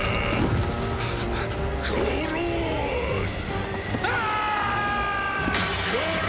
殺す。